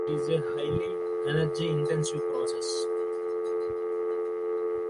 It is a highly energy intensive process.